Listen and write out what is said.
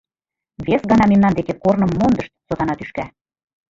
— Вес гана мемнан деке корным мондышт, сотана тӱшка!